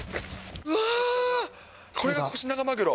うわー、これがコシナガマグロ？